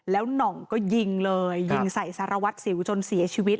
แล้วหน่องก็ยิงเลยยิงใส่สารวัตรสิวจนเสียชีวิต